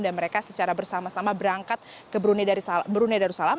dan mereka secara bersama sama berangkat ke brunei darussalam